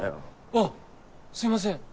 あっすいません。